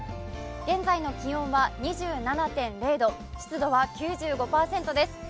現在の気温は２７．０度、湿度は９５％です。